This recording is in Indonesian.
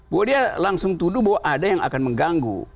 bahwa dia langsung tuduh bahwa ada yang akan mengganggu